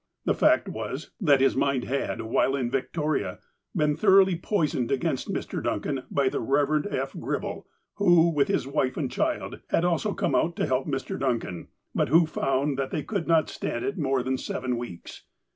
The fact was, that his mind had, while in Victoria, been thoroughly poisoned against Mr. Duncan by the Eev. F. Gribbel, who, with his wife and child, had also come out to help Mr. Duncan, but who found that they could not stand it more than seven weeks.